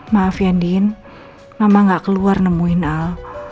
maaf ya andien mama gak keluar nemuin al